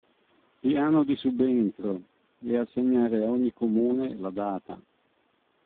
"Piano di subentro" e assegnare a ogni Comune la data.